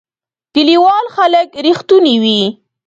کلیوال خلک رښتونی وی